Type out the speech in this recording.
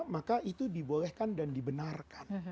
maka itu dibolehkan dan dibenarkan